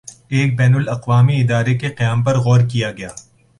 ایک بین الاقوامی ادارے کے قیام پر غور کیا گیا